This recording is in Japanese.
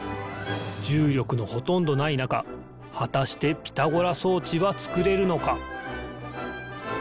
じゅうりょくのほとんどないなかはたしてピタゴラそうちはつくれるのか？